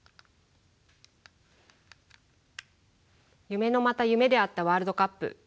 夢のまた夢であったワールドカップ。